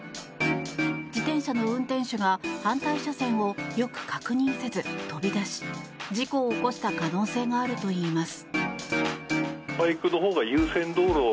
自転車の運転手が反対車線をよく確認せず飛び出し事故を起こした可能性があるといいます。